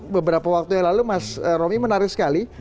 beberapa waktu yang lalu mas romi menarik sekali